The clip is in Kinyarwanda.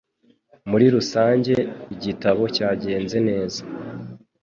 Muri rusange, igitabo cyagenze neza.